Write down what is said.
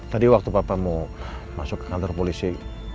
tadi waktu papa mau masuk ke kantor polisi